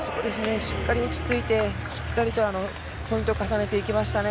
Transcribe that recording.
しっかり落ち着いてしっかりとポイントを重ねていきましたね。